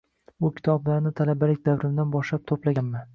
Bu kitoblarni talabalik davrimdan boshlab to`plaganman